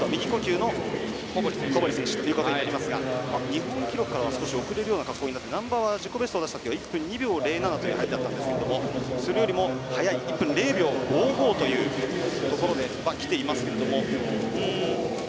日本記録からは少し遅れるような格好になって難波は自己ベストを出したときは１分２秒０７という入りだったんですがそれよりも早い１分０秒５５というところできていますけども。